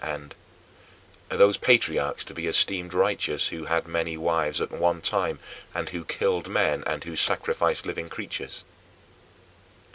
and, "Are those patriarchs to be esteemed righteous who had many wives at one time, and who killed men and who sacrificed living creatures?"